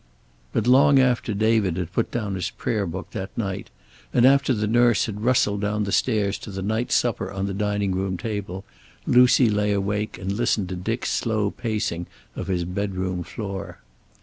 But long after David had put down his prayer book that night, and after the nurse had rustled down the stairs to the night supper on the dining room table, Lucy lay awake and listened to Dick's slow pacing of his bedroom floor.